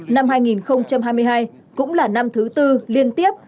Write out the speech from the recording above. năm hai nghìn hai mươi hai cũng là năm thứ tư liên tiếp